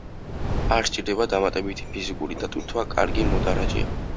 არ სჭირდება დამატებითი ფიზიკური დატვირთვა, კარგი მოდარაჯეა.